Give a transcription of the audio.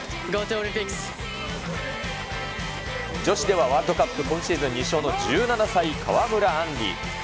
女子ではワールドカップ今シーズン２勝の１７歳、川村あんり。